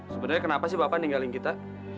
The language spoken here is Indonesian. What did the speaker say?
sebenarnya kenapa sih bapak ninggalin kita